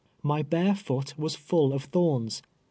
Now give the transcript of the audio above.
My bare foot was full of thorns.